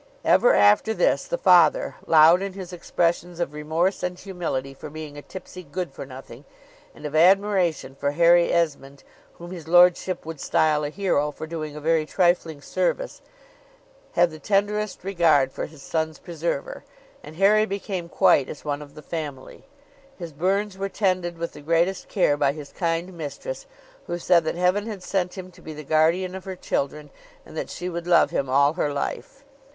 Ever after this the father, loud in his expressions of remorse and humility for being a tipsy good for nothing, and of admiration for Harry Esmond, whom his lordship would style a hero for doing a very trifling service, had the tenderest regard for his son's preserver, and Harry became quite as one of the family. His burns were tended with the greatest care by his kind mistress, who said that heaven had sent him to be the guardian of her children, and that she would love him all her life.